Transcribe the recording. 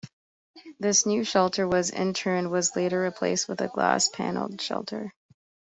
This new shelter was in turn was later replaced with a glass panelled shelter.